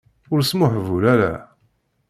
Ur smuhbul ara.